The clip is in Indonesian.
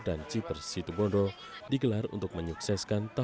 dan jipers situbondo digelar untuk menyukseskan